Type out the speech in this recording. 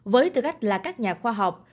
với tư cách là các nhà khoa học